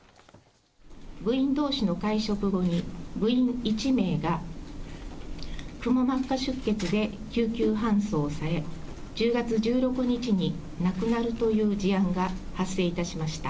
部員どうしの会食後に、部員１名がくも膜下出血で救急搬送され、１０月１６日に亡くなるという事案が発生いたしました。